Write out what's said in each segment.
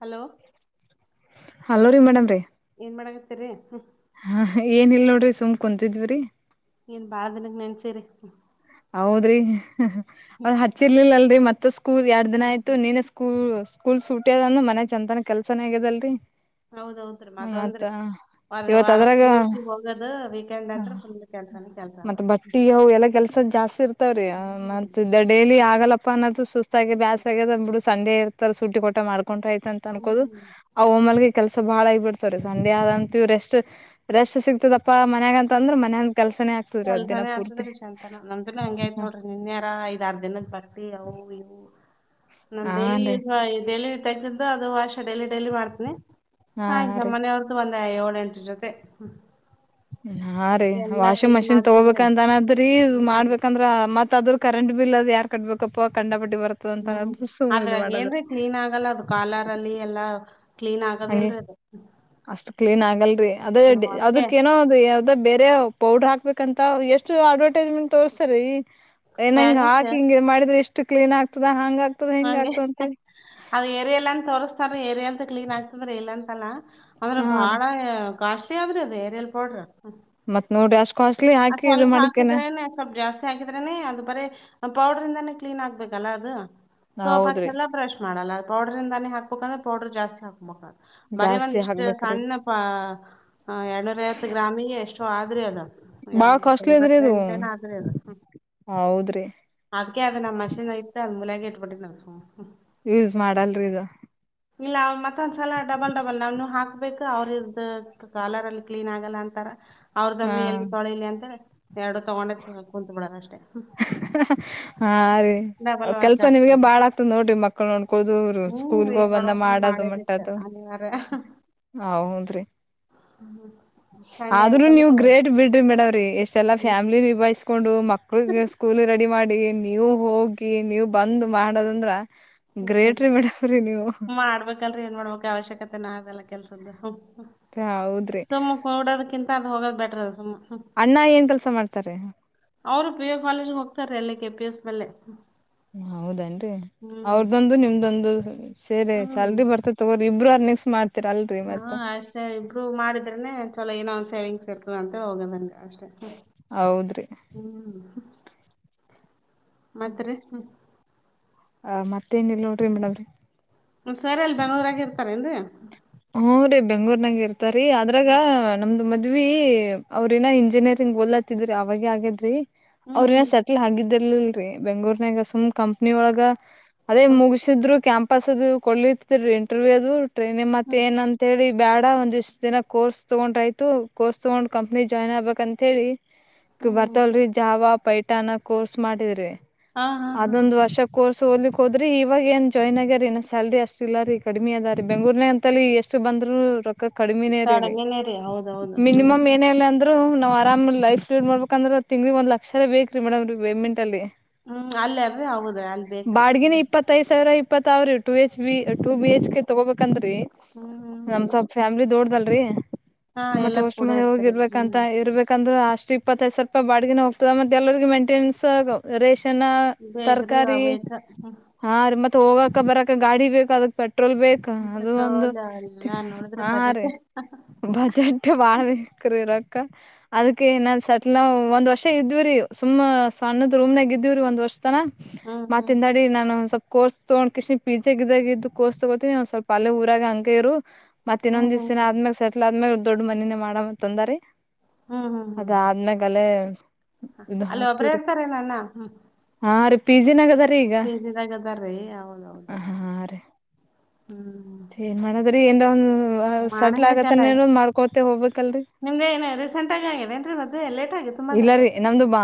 Hello hello ರೀ madam ರೀ ಏನ್ ಮಾಡಕತ್ತರಿ ಹಾ ಏನಲ್ ನೋಡ್ರಿ ಸುಮ್ ಕುಂತಿದ್ವ್ರರಿ ಏನ್ ಬಾಳದಿನಕ್ಕೆ ನೆನ್ಚೇರಿ ಹೌದ್ರಿ ಅವ್ ಹಚ್ಚಿರ್ಲಿಲ್ಲ ಅಲ್ರರಿ ಮತ್ತ ಸ್ಕೂಲ್ ಎರಡ್ ದಿನ ಹ್ಮ್ ಆಯ್ತು ನೀನ ಸ್ಕೂಲ್ ಸ್ಕೂಲ್ ಸೂಟಿ ಅದಂದ ಮನಯ ಚೇಂಜ್ ಅಂತನ ಕೆಲ್ಸನೇ ಆಗ್ಯಲ್ರರಿ ಹೌದೌದ್ರೀ ಮದ್ ಅಂದ್ರೀ ಇವತ್ ವಾರ ಅದ್ರಾಗ ಪೂರ್ತಿ ಹೋಗೋದು ವೀಕೆಂಡ್ ಅಂತ ಫುಲ್ ಕೆಲಸ ಮತ್ತತ್ ಬಟ್ಟಿ ಅವು ಎಲ್ಲಾ ಕೆಲ್ಸದ ಜಾಸ್ತಿ ಇರ್ತವ್ರಿ ಹ್ಮ್ ಮತ್ತ ಇದ ಡೈಲಿ ಆಫ್ ಆಗಲ್ಲಪ್ಪ ಅನ್ನದು ಸುತಾಗಿ ಬ್ಯಾಸಸ್ಗ ಅಂದ್ ಬಿ ಸಂಡೆ ಇರ್ತಾರೆ ಸುಟ್ಟಿ ಕೊಟ್ಟ ಮಾಡಕೊಂಡಯ್ ಅಂತ ಅನ್ಕೋದು ಹ್ಮ್ ಅವ ಒಮ್ಮಲ್ಗೆ ಕೆಲಸ ಬಾಳ ಆಗಬಿಡ್ತವ್ರೀ ಸಂಡೆ ಆದಂತ ಇವ್ ರೆಸ್ಟ್ ರೆಸ್ಟ್ ಸಿಗ್ತದಪ್ಪ ಮನ್ಯಾಗ ಅಂತ ಅಂದ್ರ ಮನ್ಯಾಗಿನ್ ಕೆಲ್ಸನೆ ಕೆಲ್ಸಾನೆ ಆತದ್ರೀ ಸಂಜಿತನ ನಮ್ದನ ಹಂಗ ಆಯ್ತ ನೋಡ್ರಿ ನಿನ್ಯಾರ ಐದ ಆರ್ ದಿನದ ಬಟಿ ಅವು ಇವು ನಮ ಡೈಲಿ ಹಾನ್ ರೀ ಯೂಸ್ ಡೈಲಿ ತೆಗ್ದಿದ್ದು ಅದು ವಾಷ ಡೈಲಿ ಡೈಲಿ ಮಾಡ್ತೀನಿ ಹಾ ರೀ ಆಯ್ತಮ್ಮನೆಯವ್ರದ್ದು ಒಂದ ಏಳ ಎಂಟ್ರ ಜೊತೆ ಹಾ ರೀ ಎಲ್ಲಾ ವಾಷಿಂಗ್ ಕ್ಲೀನ್ ಮಷಿನ್ ಮಾಡ್ಸಿದ್ರೆ ತಗೋಬೇಕಂತ ಅನದ್ರೀ ಇ ಹ್ಮ್ ಮಾಡ್ಬೇಕಂದ್ರ ಮತ್ ಅ ಆದ್ರ ಕರೆಂಟ್ ಬಿಲ್ ಅದು ಯಾರ್ ಕಟ್ಬೇಕಪ್ಪ ಕಂಡ ಬಿಟ್ಟ ಹ್ಮ್ ಅದ್ರಾಗ ಏನ್ರಿ ಕ್ಲೀನ್ ಆಗಲ್ಲ ಅದು ಕಾಲಾರಲ್ಲಿ ಎಲ್ಲಾ ಹಗೆ ಆಗದಿಲ್ರಿ ಅದು ಅಷ್ಟು ಕ್ಲೀನ್ ಆಗಲ್ರಿ ಅದೇ ಅದಕ್ಕೆ ಅದಕ್ಕ ಏನೋ ಅ ಅ ಬೇರೆ ಪೌಡ್ರ ಹಾಕ್ಬೇಕಂತ ಎಷ್ಟು ಅಡ್ವರ್ಟೈಸ್ಮೆಂಟ್ ತೋರ್ಸ್ತರಿ ಏನಂಗ ಹಾಕಿ ಹಿಂಗಗೆ ಮಾಡಿದ್ರೆ ಎಷ್ಟು ಕ್ಲೀನ್ ಆಗ್ತದ ಹಂಗ ಆಗ್ತದ ಹಿಂಗ ಹಾಗೆ ಆಗ್ತದ ಅಂತೇಳಿ ಅದ ಏರಿಯ ಎಲ್ಲ ಅಂತ ತೋರ್ಸ್ತಾರ ಏರಿಯಾ ಅಂತ ಕ್ಲೀನ್ ಆಗ್ತದ್ರ ಇಲ್ಲಾಂತಲ್ಲ ಅದ್ರ ಹಾ ರೀ ಬಾಳ ಕಾಸ್ಲಿ ಆದ್ರೆ ಅದ ಏರಿಯಲ್ ಪೌಡ್ರ ಮತ್ತ ನೋಡಿ ಅಷ್ಟ ಸ್ವಲ್ಪ ಹಾಕಿದ್ರೇನೆ ಸ್ವಲ್ಪ್ ಜಾಸ್ತಿ ಹಾಕಿದ್ರೇನೆ ಅದು ಬರೆ ಪೌಡ್ರ ಇಂದಾನೇ ಕ್ಲೀನ್ ಆಗ್ಬೇಕಲ್ಲ ಅದು ಸೋಪ್ ಹೌದ್ರಿ ಹಚಲ್ಲ ಬ್ರಶ್ ಮಾಡಲ್ಲ ಪೌಡರ್ ಇಂದಾನೆ ಹಾಕ್ಬೇಕಂದ್ರೆ ಪೌಡರ್ ಜಸ್ತಿ ಹಾಕ್ಬೇಕ ಬರೀ ಒಂದ್ ಜಾಸ್ತಿ ಇಷ್ಟ ಹಾಕ್ಬೇಕ್ರೀ ಸಣ್ಣ ಪ ಎರಡನೂರರೈವತ್ತು ಗ್ರಾಮಿಗೆ ಎಷ್ಟೋ ಆದ ಆದ್ರೆ ಅದು ಬಾಳ ಎಮ್ಮ ಕಾಸ್ಟ್ಲಿ ಇದ್ರಿ ಇದು ತುಂಬತೆಂಟ್ನ ಆದ್ರೆ ಅದು ಹೌದ್ರಿ ಅದಕ್ಕೆ ಅದ ನಮ್ಮಷೆನ್ ನಾಗ್ ಇಟ್ಟ ಅದು ಮೂಲ್ಯ ಇಟ್ಬಟ್ಟಿ ಸುಮ್ನೆ ಯೂಸ್ ಮಾಡಲ್ರಿ ಅದು ಇಲ್ಲ ಅವ ಮತ್ತೊಂದ್ಸಲ ಡಬಲ್ ಡಬಲ್ ನಾವ್ನು ಹಾಕ್ ಬು ಅವ್ರದ ಕಾಲರ್ ಅಲ್ಲಿ ಕ್ಲೀನ್ ಆಗಲ್ಲ ಅಂತಾರ ಹಾ ಅವ್ರದಮ್ಮಿ ಎಲ್ಲಿ ತೊಳಲಿ ಅಂತ ಎರಡು ತಗೊಂಡೆ ಕುಂತು ಬಿಡದ ಅಷ್ಟೇ ಹಾ ರೀ ಕೆಲ್ಸ ಆಗ್ತದ ನಿಮ್ಗೆ ಬಾಳ ಆಗ್ತದ ನೋಡ್ರಿ ಮಕ್ಕಳ ನೋಡಕೊಳ್ಳುವುದು ಹ್ಮ್ ಸ್ಕೂಲ್ ರೀ ಏನ್ ಮಾಡಬೇಕು ರಿ ಮಾಡೇಬೇಕ ಅನಿವಾರ್ಯ ಹೌದ್ರರಿ ಹ್ಮ ಸಂಡೆ ಅಂತಂದ್ರ ಮೇಡಮ್ ರೀ ಎಷ್ಟೆಲ್ಲ ಫ್ಯಾಮಿಲಿ ನಿಭಾಯಿಸ್ಕೊಂಡು ಮಕ್ಳ ಸ್ಕೂಲ್ ರೆಡಿ ಮಾಡಿ ನೀವು ಹೋಗಿ ನೀವು ಬಂದ್ ಮಾಡದಂದ್ರ ಹ್ಮ್ ಗ್ರೇಟ್ ರೀ ಮೇಡವ್ರಿ ನೀವು ಹ್ಮ್ ಮಾಡ್ಬೇಕಲ್ರರಿ ಏನ್ ಮಾಡ್ಬೇಕ ಅವಶ್ಯಕತೆ ನಾ ಅದೆಲ್ಲ ಕೆಲ್ಸದ್ದ ಹೌದ್ರಿ ಸುಮ್ಮ ನೋಡೋದಕ್ಕಿಂತ ಅಲ್ಲಿ ಹೋಗೋದ್ ಬೆಟ್ರ ಅದ ಸುಮ್ಮ ಅಣ್ಣ ಏನ್ ಕೆಲ್ಸ ಮಾಡ್ತಾರೆ ಅವರು ಪಿಯು ಕಾಲೇಜ ಹೋಗ್ತಾರ ಅಲ್ಲೇ ಕೆ ಪಿ ಎಸ್ ಬಲ್ಲೆ ಹೌದೇನ್ರಿ ಹ್ಮ್ ಅವ್ರದೊಂದು ನಿಮ್ದೊಂದು ಸೇರಿ ಹ್ಮ್ ಸ್ಯಾಲ್ರಿ ಬರ್ತದ ತಗೋರಿ [unintelligible] ಹಾ ಮತ್ತ ಅಷ್ಟೇ ಇಂಪ್ರೂವ್ ಮಾಡಿದ್ರೆನೆ ಚಲೋ ಏನೋ ಒಂದ್ ಸೇವಿಂಗ್ಸ್ ಇರ್ತದ ಅಂತ ಹೋಗೋದಂಗೆ ಅಷ್ಟ್ ಹೌದ್ರಿ ಹ್ಮ್ ಮತ್ತ ರಿ ಹ್ಮ್ ಆ ಮತ್ತೇನಿಲ್ಲ ನೋಡ್ರಿ ಮೇಡಮ್ರಿ ಹ್ಞ ಸರ ಎಲಿ ಬೆಂಗಳೂರು ನಾಗ್ ಇರ್ತಾರೇನ ರೀ ಹೂ ರಿ ಬೆಂಗ್ಳೂರ್ನಾಗ ಇರ್ತಾರ ಅದ್ರಾಗ ನಮ್ದು ಮತ್ತ ಮದವಿ ಅವ್ರ ಇನ್ನ ಇಂಜಿನಿಯರಿಂಗ್ ಓಲ್ತ್ತಿದ್ರಿ ಅವಾಗ ಆಗದ್ರಿ ಹ್ಮ್ ಅವ್ರ ನ ಹ್ಮ್ ಸೆಟ್ಲ್ ಆಗಿದ ಇಲ್ರರಿ ಬೆಂಗಗಳೂರ್ನಾಗ ಸುಮ್ ಕಂಪ್ನಿ ಒಳಗ ಅದೇ ಹ್ಮ್ ಮುಗಸಿದ್ರು ಕ್ಯಾಂಪಸ್ ಅದು ಕೊಡ್ಲಿತ್ರೀ ಇಂಟರ್ವ್ಯೂ ಅದು ಟ್ರೈನಿ ಮತ್ತ ಹ್ಮ್ ಏನ್ ಅಂತೇಳಿ ಬೇಡ ಒಂದ್ ಇಷ್ಟು ದಿನ ಕೋರ್ಸ್ ತಗೊಂಡ್ರಾಯ್ತು ಕೋರ್ಸ್ ತಗೊಂಡ್ ಕಂಪ್ನಿ ಜಾಯ್ನ್ ಆಗ್ಬೇಕಕ್ ಅಂತ ಹೇಳಿ ಹ್ಮ್. ಬರ್ತಲ್ರರಿ ಜಾವ ಪೈಥಾನ್ ಕೋರ್ಸ್ ಮಾಡಿದ್ರಿ ಹಾ ಹಾ ಹಾ ಅದೊಂದು ಹಾ. ವರ್ಷ ಕೋರ್ಸ್ ಒಡಲಿಕೊದ್ರಿ ಇವಾಗ ಏನ್ ಜಾಯ್ನ್ ಆಗ್ಯಾರೀ ಇ ಸಲ್ರಿ ಅಷ್ಟ ಇಲ್ಲರಿ ಕಡಿಮಿ ಅದರಿ ಬೆಂಗಗಳೂರ್ನ ಅ ಅಲ್ಲಿ ಎಸ್ಟ್ ಬಂದ್ರು ರೊಕ ಕಡಿಮಿನೆರಿ ಅಲ್ಲಿ ಕಡ್ಮಿನೇ ರೀ ಹೌದೌದು ಹ್ಮ್. ಮಿನಿಮಮ್ ಏನಲ್ಲ ಅಂದ್ರ ನಾವ್ ಆರಾಮ್ ನಮ್ ಲೈಫ ಲೀಡ್ ಮಾಡಬೇಕ ಅಂದ್ರೆ ತಿಂಗಳಿ ಒಂದ್ ಲಕ್ಷರೇ ಬೇಕ್ರೀ ಮೇಡಮ್ ಪೇಮೆಂಟ್ ಅಲ್ಲಿ ಹ್ಮ್ ಅಲ್ಲರ್ರಿ ಹೌದ್ರಿ ಅಲ್ಲಿ ಬೇಕ್ರಿ ಹ್ಮ ಇಪ್ಪತ್ಾವ್ರಿ ಟ ಎಚ್ ಬಿ ಟ ಬಿ ಎಚ್ ಕೆ ತಗೋಬೇಕಂತರಿೀ ಹ್ಮ್ ಹ್ಮ್ ನಮ್ ಹ್ಮ್. ಸ್ವಲ್ ಫ್ಯಾಮಿಲಿ ದೊಡ್ದಲ್ ಹಾ ಮತ್ತ ಎಲ್ಲಾರೂ ಅಷ್ಟ ಕೂಡ ಮ ಇರ್ತಾರ ಹೋಗಿರ್ಬೇಕಂತ ಹ್ಮ್ ಇರ್ಬೇಕಂದ್ರೆ ಹತ್ತು ಇಪ್ಪತ್ತೈದು ಸಾವಿರ ರೂಪಾಯಿ ಬಾಡಗಿನ ಹೋಗ್ತದ ಮತ್ತೆ ಎಲ್ಲರಿಗೆಗ ಮೈಂಟೆನೆನ್ಸ್ ರೇಶ ಚನ್ನ ಬೇಕ್ರಿ ಅವ ತರಕಾರಿ ಬೇಕ. ಹ್ಮ್ ಹಾ ರಿ ಮತ್ ಹೋಗಕ ಬರಕ ಗಾಡಿ ಬೇಕ ಅದಕ್ ಪೆಟ್ ಪೆಟ್ರೋಲ್ ಬೇಕ ಅದು ಒಂದು ಪೆಟ್ರೋಲ್ ಎಲ್ಲಾ ನೋಡಿದ್ರೆ ಹಾ ರೀ ಬಜೆಟ್. ಬಜಟ್ ಬಾಳ್ ಬೇಕ್ ರಿ ಇರಾಕ್ ಅದಕ್ಕೆ ನಾನ್ ಸೆಟ್ಲ್ ನ ಒಂದ್ ವರ್ಷ ಇದ್ವ್ರೀ ಸುಮ್ಮ್ ಸಣ್ಣದ ರೂಮ್ನಾಗ ಇದ್ವಿರಿ ಒಂದ್ ವರ್ಷ ಹ್ಮ್ ಹ್ಮ್ ಮಾತ್ತಿಂದಾಡಿ ನಾನು ಸ್ವಲ್ಪ ಕೋಸ್ ತಗೊಂಡ ಕಷ್ಣ ಪಿಜಗ ಇದಾಗ ಇದ್ದ ಕರ್ಸ್ ತಗೋತಿನನ ಒಂದ ಸ್ವಲ್ಪ ಅಲ್ಲೇ ಊರಗ ಹಂಗ ಇರು ಮತ್ತ ಹ್ಮ್ ಇನ್ನೊಂದ ಹ್ಮ್ ಹ್ಮ್ ದಿವ್ಸಿನ ಆದ್ಮೇಲೆ ಸೆಟ್ಲ್ ಆದ್ಮೇಲೆ ದೊಡ್ ಮನಿನೇ ಮಾಡಮ ಅಂತ ಅಂದರಿ ಅದ ಆದ್ಮಲಾ ಅಲ್ಲೇ ಇದು ಅಲ್ಲ ಒಬ್ರ ಹಾಕ್ತಿವ್ರಿ ಇರ್ತಾರೆ ನನ್ನ ಹ್ಮ್ ಹಾ ರೀ ಪಿ ಜಿ ನಗದ ಕೆೇಜಿದಾಗದಾರೀ ಹೌದೌದ ಹಾ ರೀ ಹ್ಮ್ ಅ ಎ ಸೆಟ್ಲ್ ಮಾಡಬೇಕಲ್ಲ ಆಗತ್ತೇನ ಮಾಡ್ಕೋತೆೇ ಹೋಗ್ಬೇಕಲ್ರರಿ ನಿಮ್ದ ಏನ ರೀಸೆಂಟ್ ಆಗಿ ಆಗ್ಯದೇನ್ರಿ ಮದ್ವೆ ಲೇಟ್ ಆಗಿತ್ತು ಮದ್ವೆ. ಇಲ್ಲರಿೀ ನಮ್ದು ಬಾ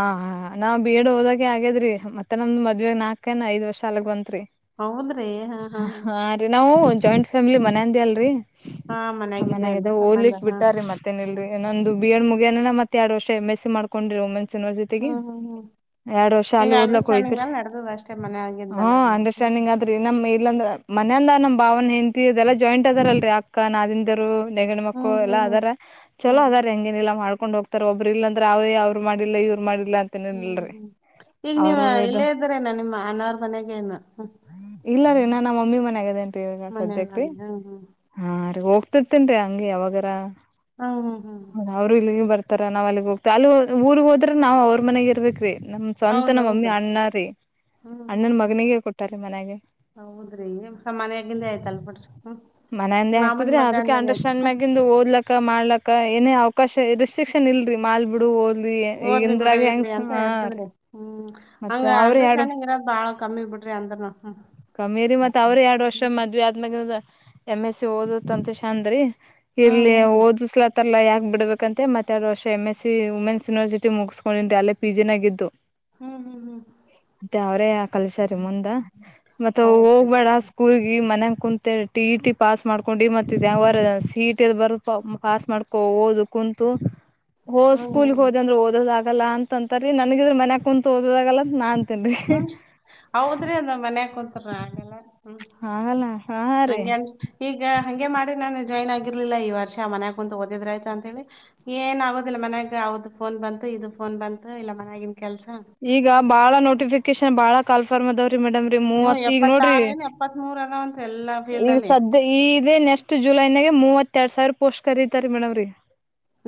ನಾ ಬಿ ಎಡ್ಓದಕ ಆಗ್ಯದ್ರ ಮತ್ತ ನಮ್ದ್ ಮದ್ವೆಗ್ ನಾಕನ್ ಐದ ವರ್ಷ ಅಲ್ಗ್ ಬಂತತ್ರಿ ಹಾ ರೀ ನಾವು ಜಾಯಿಂಟ್ ಫ್ಯಾಮಿಲಿ ಮನಂದಿ ಅಲ್ರಿ ಹಾ ಮನ್ಯಾಗಿಂದ ಮನ್ಾಗ ಏನ್ರಿ ಸಂಬಂಧ ಹಓ್ಲಿಕ್ ಹಾ. ಬಿಟ್ಟಾರೆ ಮತ್ತೇನ್ ಇಲ್ೊಂದು ಬಿಡ್ ಮುಗ ಏನ ಮತ್ತ ಎರಡು ವರ್ಷ ಮೆಸ್ ಮಾಡಕೊಂಡ್ರಿ ಹ್ಮ್ ಹ್ಮ್ ಹ್ಮ್ ಎರಡ್ ವರ್ಷ ಅಲ್ಲಿ ಹಿಂಗ ಓದ್ಲಕ್ ಅಂಡರ್ಸ್ಟ್ಯಾಂಡಿಂಗ್ ಹಯ್ತ್ರಿ ಅಲ್ಲಿ ನಡ್ದದ ಅಷ್ಟೇ ಹ ಮನ್ಯಾಗಿಂದೆಲ್ಲಾ ಅಂಡರ್ಸ್ಟ್ಯಾಂಡಿಂಗ್ ಹ್ಮ್ ಆದ್ರಿ ನಮ ಇಲ್ಲಂದ ಮನ ಅಂದ ನಮ್ಮ್ ಭಾವನ ಹೆಂತಿ ಅದೆಲ್ಲ ಜಾಯಿಂಟ್ ಅದಾರಲ್ರರಿ ಅಕ್ಕ ನ ದಿಂದರು ನೆಗಣ ಮಕ್ಕಳು ಹ್ಮ್ ಎಲ್ಲಾ ಹ್ಮ್ ಹ್ಮ್ ಅದಾರ ಚಲೋ ಅದಾರ ಹ್ಮ್. ಹೆಂಗೇನಿಲ್ಲಾ ಮಾಡ್ಕೊಂಡ್ ಹೋಗ್ತಾರೆ ಒಬ್ಬರು ಇಲ್ಲ ಾವೇ ಅವ್ ಮಾಡಿಲ್ಲ ಇವ್ ಮಾಡ ಹ್ಮ್ ಹ್ಮ್ ಈಗ ನೀವ ಇದು ಇಲ್ಲೇ ಇದ್ರೇನ ನಿಮ್ಮ ಅನಾರ ಮನೆಗೇನು ಇಲ್ಲ ರೀ ನಾ ನಮ್ಮ ಮಮ್ಮಿ ಮನ್ಯಾಗದೇನ್ೀ ಈವಗ ಸದ್ಯಕೀ ಮನೆಯಲ್ಲಿ ಹ್ಮ್ ಹ್ಮ್ ಹಾ ರ್ತೇನ್ೀ ಹಂಗಗೆ ಯಾವಾಗರ ಹ್ಮ್ ಹ್ಮ್ ಹ್ಮ್ ಅವರು ಇಲ್ಲಿ ಬರ್ತ ರ ನಾವ್ ಅಲ್ಲಿಗ್ ಹೋಗ್ತವಿ ಅಲ್ಲಿ ಊ ಹೋದ್ರ ನಾವ ಅವ್ರ ಮನೆಗೆ ಇರ್ಬೇಕವಿ ನಮ ಸ್ವಂತ ನಮ್ಮ ಮಮ್ಮಿ ಹೌದೌದು ಅಣ್ಣ ರೀ ಹ್ಮ್ ಅಣ್ಣನ ಹ್ಮ್ ಮಗನಿಿಗೆ ಕೊಟ್ಟಾರೆ ಮನೆಗೆ ಹೌದ್ರಿ ಸಮಾಮಾನ್ಯ ಆಾಗಿಿಂದ ಆಯ್ತಲ್ ಮುಡ್ಸ್ ಮನೆಯಿಂದೆ ಮಾಮನ್ ಮಗನ್ ಮಾಡ್ಲಾಕ್ಕ ಏನೇ ಅವಕಾಶ ರೆಸ್ಟ್ರಿಕ್ಷನ್ ಇಲ್ರರಿ ಮಾಡಲ್ ಬಿಡು ಹಓದ್ಲಿ ಓದ್ಲಿ ಬಿಡು ಇರ್ಲಿ ಅಂತ ಹೇರ್ತದ್ರಿ ಹ್ಮ್ ಹಂಗ ಅಂದ್ರಸ್ಾನಿಂಗ್ ಇರದ್ ಬಾಳ ಕಮ್ಮಿ ಬಿಡ್ರಿ ಅಂದ್ರನು ಹ್ಮ್ ಕಮ್ಮೀರಿ ಮತ್ತ ಅವ್ರ ಎರಡ್ ವರ್ಷ ಮದ್ವಿ ಆದದ್ಮಾಗ ಎಮ್ ಎಸ್ ಸಿ ಓದತ್ ಅಂತ ಚಂದ್ರಿ ಹ್ಮ್ ಇರ್ಲಿ ಹ್ಮ್ ಹ್ಮ್ ಹ್ಮ್ ಓದಸ್್ಲ ಮತ್ತಲ್ಲಾಕೆ ಬಿಡಬೇಕ ಅಂತೆತ್ತೆರಡು ವರ್ಷ M S C women's university ಮುಗಿಸ್ಕೊಂಡಿದ್ರಿ ಅಲ್ಲ ಪಿಿನಾಗಿದ್ದು ಹ್ಮ್ ಹ್ಮ್ ಹ್ಮ್ ಮತ್ತೆ ಅವರೇ ಕಲಶ ಮುಂದ ಮ ಹೌದ್ರಿ ಹೋಗ್ಬೇಡ ಸ್ಕೂಲ್ ಮ ಕುಂತಿ ಇಟಿ ಪಾಸ್ ಮಾಡ್ಕೊಂಡಿ ಮತ್ತ ಸಿಟಿಲ್ಲಿ ಬ ಪಾಸ್ ಮಾಡ್ಕೋ ಓದ ಕುಂತು ಹೋ ಹ್ಮ್ ಸ್ಕೂಲ್ಗ್ ಹ್ಮ್ ಹೋದ್ ಅಂದ್ರ ಓದ ಆಗಲ್ಲ ಅಂತಾರೀ ನನ್ಗಿದ್ರ ಮನ್ಯಕ ಕುಂತ ಓದಗಲ್ಲ ನಾನ್ ತಲ್ಲಿ ಹ್ಮ್ ಹೌದ್ರಿ ಅದು ಮನ್ಯ ಕುಂತರ ಹಾಗೆಲ್ಲ ಹ ಆಗಲ್ಲ ಹಾ ರೀ ಹಗೆನ್ ಈಗ ಹಂಗೆ ಮಾಡಿ ನಾನು ಜಾಯ್ನ್ ಆಗಿರ್ಲಿಲ್ಲ ಈ ವರ್ಷ ಮನ್ಯಾಗ ಕುಂತ ಓದಿದ್ ಆ್ತ ಅಂತ ಹೇಳಿ ಏನ್ ಆಗೋುದಿಲ್ಲ ಮನ್ಯಾಗ ಯಾವ್ದ ಫೋನ್ ಬಂತು ಇದು ಫೋನ್ ಬಂತು ಇಲ್ಲ ಮನ ಈಗ ಬಾಳ ನೋಟಿಫಿಕೇಶನ್ ಬಾಳ ಕಾಲ್ಫಾರ್ಮ್ ಅವ್ರರು ರಿ ಮೇಡಮ್ ರೀ ಹ್ಮ್ ಮೂವತ್ ಈಗ್ ನೋಡ್ರಿ ಎಪ್ಪತ್ತಾರ ಏನ್ ಎಪ್ಪತ್ಮೂರ್ ಅದಾವಂತ್ರಿ ಎಲ್ಲಾ ಈಗ ಅಲ್ಲಿ ಸದ್ಯ ಈೇ ನೆಕ್ಸ್ಟ್ ಜುಲೈನಾಗ ಮೂವತ್ತ ಎರಡ್ ಸಾವಿರ ಪೋಸ್ಟ್ ರೀಿತಾರಿ ಮೇಡಮ್ ಅವ್ರೀಗ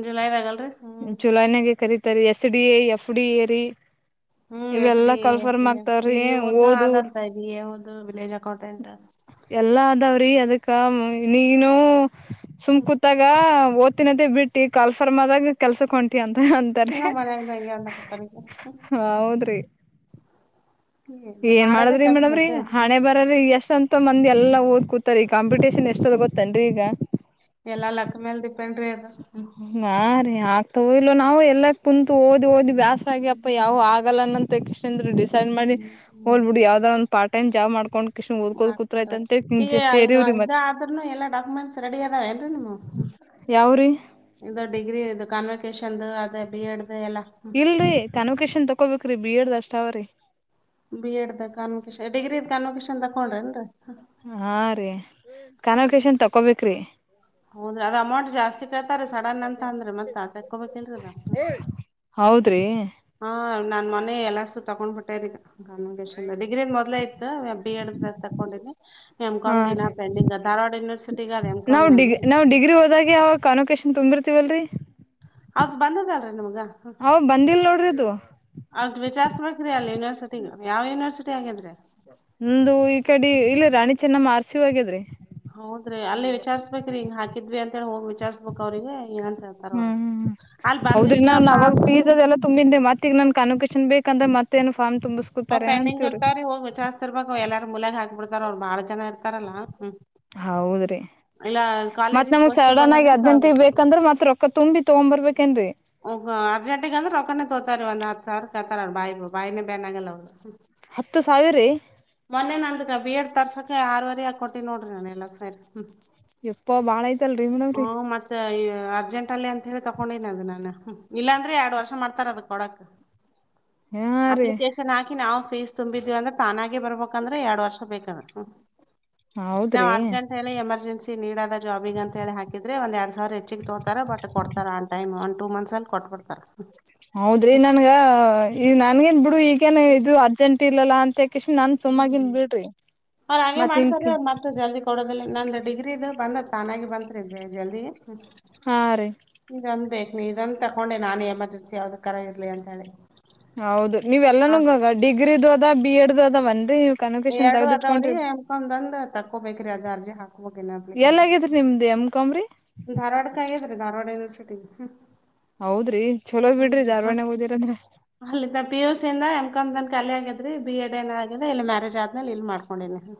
ಜುಲೈದಾಗ ಅಲ್ರಿ ಹ್ಮ್ ಚುಲಾನಾಗ ಕರೀತರಿ ಎಸ್ ಡಿ ಎಫ್ ಡಿ ರಿ ಹ್ಮ್ ಎಸ್ ಡಿ ಎ ಡಿ ಹಓದ್ ಓದು ಆದಂತ ಇದದು ವಿಲೇಜ್ ಅಕೌಂಟೆಂಟ್ ಎಲ್ಲಾ ಅದಾವ್ರಿ ಅದಕ್ಕ ನೀನು ಸುಮಕೂತಾಗ ಓ್ತ್ತಿನದ ಬಿಟ್ಟಿ ಕಾಫರ್ಮ ಆದಾಗ ಕೆಲ್ಸಕಂಂತಟಿ ಅಂತ ಅಂತಾರೆ ಇನ್ನು ಮನ್ಯಾಗ ಹಂಗೆ ಅನ್ನಕತ್ತಾರ ಈಗ ಹ್ಮ್ ಹೌದ್ರಿ ಏನ್ ಮಾಡೋದೇ ಮಾಡದ್ರಿ ಕೆಲ್ಸ ಮಾಡೇಡವ್ರಿ ಮತ್ತ ಹಣೆ ಬರ್ರರಿ ಎಷ್ಟ ಅಂತ ಮ ಂದ ಎಲ್ಲ ಓದ್ ಕೂತಾರೆ ಈ ಕಾಂಪಿಟೇಷನ್ ಎಷ್ಟೊರ ಗೊತ್ತೇನ್ರಿ ಈಗ ಎಲ್ಲಾ ಲೆಕ್ಕ ಮೇಲ್ ಡಿಪೆಂಡ್ರಿ ಅದು್ಮ ಇಲು ನಾವು ಎಲ್ಲ ಕುಂತು ಓದಿ ಓದಿ ಬ್ಯಾಸ ಆಗ್ಯಪ್ಪ ಯಾವ ಆಗಲ್ಲ ಅನ್ನಂತ ಅಂದ ಹ್ಮ್ ಹ್ಮ್ ಯಾವದ ಒ್ ಪಾರ್ ೈಮ ಜಾ ಮಾಡಕೊಂಡು ಹಾ ನೋಡ್ರಿ ಈಗ ಈಗ ಇದ ಮತ್ ಆದಾರ್ನು ಎಲ್ಲಾ ಡಾಕ್ಯುಮೆಂಟ್ಸ್ ರೆಡಿ ಅದಾವ ಅಲ್ರಿ ನಿಮ ಹ ಯಾವ ಇದು ಡಿಗ್ರಿ ಇದು ಕನ್ವಿಕೇಶನ್ದು ಅದೇ ಬಿ ಎಡ್ ಇಲ್ರರಿ ಕನ್ವೊಕೇಶನ್ ತಕೊಬೇಕ್ರಿ ಬಿ ಎಡ್ ಅಷ್ಟ ಅವ್ರೀ ದು ದು ತಕ್ಕೊಂಡ್ರೇನ್ರಿ ಹಾ ರೀ ಕನ್ೋಕೇಶನ್ ತೊಗೊಬೇಕ ರೀ ಹೌದ್ರಿ ಅದ್ ಅಮೌಂಟ್ ಜಾಸ್ತಿ ಕೇಳ್ತಾರ ಸಡನ್ ಅಂತ ಅಂದ್ರೆ ಮತ್ತತ್ ತಕೋಬೇಕಿಲ್ರದ ಹೌದ್ರಿ ಹಾ ನನ್ ಮನೆ ಎಲ್ಲಸು ತಗೊಂಡ್ಬಿಟ್ಟರಿ ಕನ್ಿಕೇಶನ್ ಡಿಗ್ರಿ ಮೊದಲ ಇತ್ ಬ ಅ್ರ ತಗೊಂಡಿನಿ ಹಾ ರ ಗ ಅದ ನಾವು ನಂದು ಡಿಗ್ರಿ ನಾ್ ಡಿಗ್ರಿ ಹೋದಾಗ ಅವಾಗ ಕನಕೇಶನ್ ತುಂಬಿರ್ತ ಇಿವಲ್ರಿ ಹೌದ್ ಬಂದದಲ್ರರಿ ನಿಮ್ಗ ಹ್ ಬಂದಿಲ್ ನೋಡ್ರಿದು ಅದ್ ವಿಚಾರ್ಸ್ಬೇಕ್ರಿ ಅಲ್ಲಿ ಯೂನಿವರ್ಸಿಟಿಗ ಯಾವ ಯೂನರ್ಿಟಿ ಆಗ್ಯಂದ್ರಿ ನಮ್ದು ಈ ಕಡೆ ಇಲ್ಲ ರಾಣಿ ಚೆನ್ನಮ್ಮ ಆಾರಸಿವ ಆಾಗ್ಯದ್ರಿ ಹೌದ್ರಿ ಅಲ್ಲಿೇ ವಿಚಾರ್ಸ್ಬೇಕ್ರಿ ಹಿಂಗ ಹಾಕಿದ್ವಿ ಅಂತ ಹೇಳಿ ಹೋಗಿ ವಿಚಾರ್ಸ್ಬೇಕಕ್ ಅವ್ರಿಗೆ ಏನಂತ ಹೇಳ್ತಾರ ಅವ್ರ. ಹ್ಮ್ ಹ್ಮ್ ಅಲ್ಲ್ ಹೌದ್ರಿಗ ನನ್ ಬಂದಿತ್ತಪ್ಪಾ ಅವವಾಗ ಪೀಸ ಅಂತಂದ್ರೆ ಅ ಎಲ್ಲ ತುಂಬಿೆ ಮತ್ತ ಈಗ ನನ್ ಕನಕೇಶನ್ ಬೇಕಂದ್ರ ಮತ್ತ ಅವ್ ಪೆಂಡಿಂಗ್ ಇರ್ತಾರ್ರ ಹೋಗ ವಿಚಾರ್ಸ್ತಿರ್ಬೇಕ ಎಲ್ಲಾರ ಮುಲೆಾಗ ಹಾಕ್ ಬಿಡ್ತಾರ ಅವ್ರು ಬಾಳ ಜನ ಇರ್ತಾರಲ್ಲಾ ಹ್ಮ ಹೌದ್ರಿ ಮತ್ ಗ್ ನಮ್ಗ್ ಗ್ ಸಡನ್ ಆಗಿ ಬಂದಾದಂದ್ರ ಅರ್ಜೆಂಟಗ ಕೇಳ್ಬೇಕು. ಬೇಕಂದ್ರ ಮತ್ ರೊಕ್ಕ ತುಂಬಿ ತಗೊ್ ಬರ್ಬೇಕೇನ್ರಿ ಒ ಅರ್ಜಂಟಗ ಅಂದ್ರೆ ಒಕ್ಕನ ತೋತಾರಿ ಒಂದ ಹತ್ ಸಾವರ ಕತಾರ ಬಾಯಿ ಬಾಯಿನೇ ಬೇನ್ ಆಗಲ್ಲ ಅವ ಹತ್ತು ಸಾವಿರ ಮೊನ್ನೆ ನಂದಕ ಬಿ ಎಡ್ ತರ್ಸಕ ಆರವರೆ ಆಾ ಕೊಟ್ಟಿ ನೋಡ್ರಿ ನಾನ ಎಲ್ಲಾ ಸರಿ ಹ್ಮ ಎಪ್ಪ ಭಾಳ ಐತಲ್ರಿ ಮೇಡಮ್್ರೀ ಅರ್ಜೆಂಟ್ ಅಲ್ಲಿ ಅಂತ ಹೇಳಿ ತಕೊಂಡಿನನ ಅದು ನಾ ಇಲ್ಲಾಂದ್ರೆ ಎರಡ್ ವರ್ಷ ಮಾಡ್ತಾರ ಅದಕ್ ಕೊಡಕ್ ಹಾ ರೀ ಅಪ್ಲಿಕೇಶನ್ ಹಾಕಿ ನಾವು ಫೀಸ್ ತುಂಬಿದೀವಿ ಅಂದ್ರೆ ತಾನ ಬಂದ್ರೆ ಎರಡು ವರ್ಷ ಬೇಕ ನಾವು ಹೌದ್ರಿ ಅರ್ಜೆಂಟ್ ಎಮರ್ಜೆನ್ಸಿ ನೀದ ಜಾಬಗ ಅಂತ ಹೇಳಿಾಕಿದ್ರೆ ಒಂದ ಎರಡ್ ಸಾವಿರ ಹೆಚ್ಚಿಗೆ ತೋತ ಬಟ್ ಕೊಡ್ತಾರ ಆ ಟಮ್ ಟೂ ಮಂತ್ಸ್ ಅಲ್ಲಿ ಕೊಟ್ಟಬಡ್ತಾರ ಹೌದ್ರಿ ನನ್ಗ ಈಗ ನನ್ಗೇನ್ ಬಿಡು ಈಗೇನ್ ಇದು ಅರ್ಜೆಂಟ್ ಇಲ್ಲಲ್ಲಾ ಅಂತ ಕಷ್ಣ ನನ್ ಸುಮ್ಮಾಗಿನ್ ಬಿಡ್ರಿ ಅವ್ರ ಹಾಗೆ ಮಾಡ್ತಾರೆ ಮತ್ತನ್ಕಿ ಅವ್ರ ಮತ್ತ ಜಲ್ದಿ ಕೊಡೋದಿಲ್ಲ ನಂದು ಡಿಗ್ರಿಿದ ಬಂದತ್ ತಾನಾಗಿ ಬಂತರಿ ಇದ್ವಿ ಜಲ್ದಿ ಹಾ ರೀ ಈಂದ ಬ ಇದನ್ ತಕೊಂಡೆ ನಾನು ಎಮರ್ಜೆನ್ಸಿ ಯಾವ್ದ ಕರ ಇರ್ಲಿ ಅಂತ ಹೇಳಿ ಹೌದು ನೀ್ ಹ ಎಲ್ಲಾನೂಗ್ಗ ಡಿಗ್ರಿಿದು ಅದ ಬಿ ಎಡ್್ದ ಅದ ಬನ್ಿ ಎರಡು ಅದಾವ್ರೀ ಎಮಕೊಂದ್ ತಕೊಬೇಕ್ರಿ ಅದ ಅರ್ಜಿ ಹಾಕಿ ಎಲ್ಲಗಿದ್ರ ನಿಮ್ದ್ ಎಮ್ಕಂಬ್ರಿ ಧಾರವಾಡಕ್ ಆಗೇದ್ರಿ ಧಾರವಾಡ ಯೂನಿವರ್ಸಿಟಿ ಹೌದ್ರಿ ಚಲೋ ಹ್ಮ್ ಬಿಡ್ರಿ ಹ್ಮ್ ಧಾರ್ವಾಡ್ಯ ಓದಿರಂದ್ರ ಅಲ್ಲಿಂದ ಪಿ ಯು ಎಂ ಕಾ್ ನ ಕಲಿ ಆಗಿದ್ರಿ ಬಿ ಎಡ್ ಏನ್ ಆಿದೆ ಇಲ್ಲಿ ಮ್ಯಾರೇಜ್ ಆದ್ಮೇಲೆ ಇಲ್ಲಿ ಮಾಡ್ಕೊಂಡಿನನಿ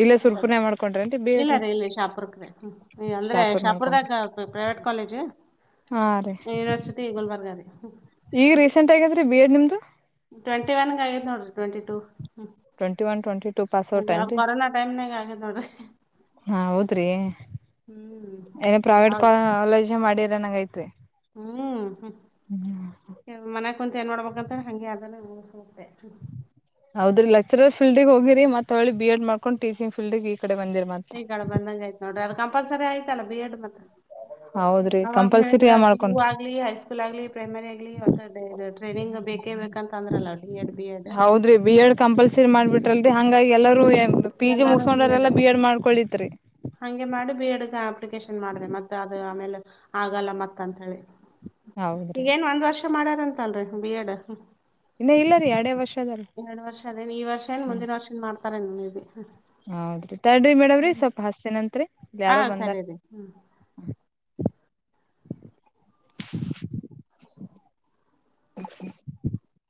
ಇಲ್ಲೇ ಹರಿ ಸುರ್ಪುರ್ನೆ ಮಾಡ್ಕೊಂಡ್ರಿ ಏನ್ರಿ ಬಿ ಇಲ್ಲ ಎಡ್ ರೀ ರ ಇಲ್ಲಿ ಶಾಪುರ್ಕ್ರೆ ಅಂದ್ರೆ ಶಾಪುರ್ ಮಾಡ್ಕೊಂಡ್ರಿ ಶಾಪುರದಾಗ ಪ್ರೈವೇಟ್ ಕಾಲೇಜ್ ಹಾ ರೀ ಗಲ್ ಬರ್ಗದೆೆ ಬಿಿಯಡ್ ನಿಮ್ದು ಟ್ವೆಂಟಿ ಒನ್ ಆಗ್ ನೋಡ್ರಿ twenty two twenty one twenty two pass out ಅಿ ಕೊರೋನಾ ಟೈಮ್ನಾಗ ಆಗೇತ್ ನೋಡ್ರಿ ಹಾ ಹೌದ್ರಿ ಹ್ಮ್ ಏನ ಪ್ರೈವೇಟ್ ಹೌದ್ ಕಾಲೇಜ್ ಜ ಮಾಡಿರ ನಂಗ ೈಐತ್ು ಹ್ಮ್ ಹ್ಮ್ ಮನ ಕುಂತ ಏನ್ ಮಾಡೋಡ್ಬೇಕಂತೇಳಿ ಹಂಗೆ ಅದಲ್ಲ ಹೆ ಹೌದ್ರ ಲೆಕ್ಚರ್ ಫಲ್ಡ್ಗ್ ಹೋಗಿರಿ ಮತ್ತ್ಳಿ ಬಿ ಎಡ್ ಮಾಡ್ಕೊಂಡ ಟಚಿಂಗ್ ಫೀಲ್ ಗೆ ಈಗಳ ಬಂದಂಗ ಆಯ್ತ ನೋಡ್ರಿ ಅದು ಕಂಪಲ್ಸರಿ ಆಯ್ತಲ್ಲ ಬಿ ಎಡ್ ಮತ್ತತ್ ಹೌದು ಅವಾಗ ಹೇಳಿದ್ರ ಪಿ ಯು ಆಗ್ಲಿ ಹೈಸ್ಕೂಲ್ ಆಗ್ಲಿ ಪ್ರೈಮರಿ ಆಗ್ಲಿದು ಟ್ರೈನಿಂಗ್ ಬೇಕೇ ಬೇಕ ಹಂತ ಅಂದ್ರಲ್ಲ ಡಿ ಎಡ್ ಬಿ ಎಡ್ ಹೌದ್ರಿ ಬಿ ಎಡ್ ಕಂಪಲ್ಸರಿ ಮಾಡಬಿಟ್ರಲ್ರಿ ಹಂಗಾಗಿ ಎಲ್ಲರೂ ಪಿ ಜಿ ಎಲ್ಲಾರು ಮುಗಸ್ಕೊಂಡ್ರ ಎಲ್ಲಾ ಬಿ ಎಡ್ ಮಾಡ್ಕಳತ್ರಿ ಬಿ ಎಡ್ ಅಪ್ಲಿಕೇಶನ್ ಮಾಡಿದೆ ಮತ್ತ ಅದು ಆಮೇಲೆ ಆಗಲ್ಲ ಮತ್ತ ಅಂತ ಹೇಳಿ ಈಗ ಹೌದ್ರಿ ಏನ್ ಒಂದ್ ವರ್ಷ ಮಾಡ್ಯಾರಂತಲ್ರರಿ ಬಿ ಎಡ್ ಇನ್ನ ಇಲ್ಲ ರೀ ಅಡೇ ವರ್ಷ ಅದ ರೀ ಎರಡು ವರ್ಷ ಅದೇನ್ ಈ ವರ್ಷ ಏನ್ ಹ್ಮ್ ಮುಂದಿನ ವರ್ಷನ್ ಮಾಡ್ತಾರೆ ನೀ ಇವಿ ಹೌದ್ರಿ ತಡ್ರಿ ಮೇಡವ್ರಿ ಸ್ವಲ್ಪ ಹಸ ನತ್ರಿ ಹಾ ಯಾರೋ ಬಂದಾರ ಸರಿ ರೀ ಹ್ಮ್. ಹ [inaudible]